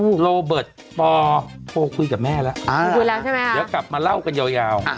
ลูเบิร์ตต่อโฟคุยกับแม่แล้วอ่าคุยแล้วใช่ไหมถ้าเก็บมาเล่ากันยาวอ่ะ